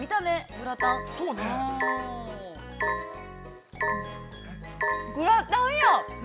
グラタンや！